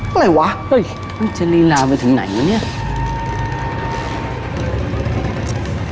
อะไรวะเฮ้ยมันจะลีลาไปถึงไหนวะเนี่ย